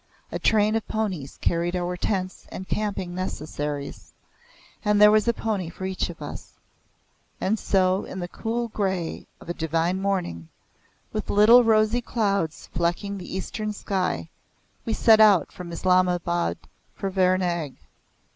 A train of ponies carried our tents and camping necessaries and there was a pony for each of us. And so, in the cool grey of a divine morning, with little rosy clouds flecking the eastern sky, we set out from Islamabad for Vernag.